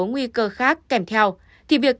nguy cơ khác kèm theo thì việc